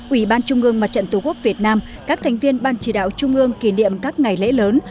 ủy ban trung ương mặt trận tổ quốc việt nam các thành viên ban chỉ đạo trung ương kỷ niệm các ngày lễ lớn